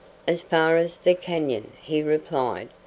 "As far as the canyon," he replied.